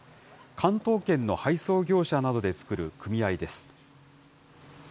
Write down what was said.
関東圏の配送業者などで作る組合です。